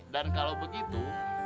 dan kalau begitu